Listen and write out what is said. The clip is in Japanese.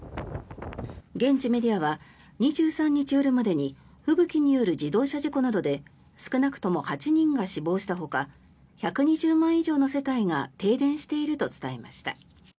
現地メディアは２３日夜までに吹雪による自動車事故などで少なくとも８人が死亡したほか１２０万以上の世帯が停電していると伝えました。